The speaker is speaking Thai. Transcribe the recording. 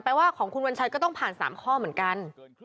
ว่าของคุณวัญชัยก็ต้องผ่าน๓ข้อเหมือนกัน